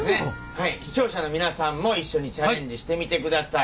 視聴者の皆さんも一緒にチャレンジしてみてください。